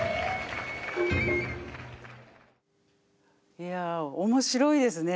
いや面白いですね。